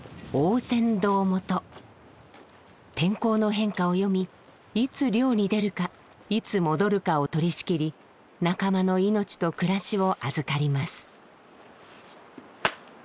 天候の変化を読みいつ漁に出るかいつ戻るかを取りしきり仲間の命と暮らしを預かります。